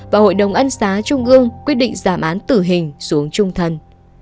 và hội đồng ân xá trung ương quyết định giảm án tử hình xuống trung thân